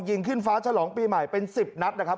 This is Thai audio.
ยิงกันเป็นครอบครัวครับ